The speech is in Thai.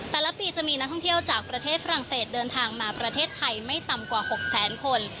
แต่ละปีจะมีนักท่องเที่ยวจากประเทศฝรั่งเศสเดินทางมาประเทศไทยไม่ต่ำกว่า๖แสนคน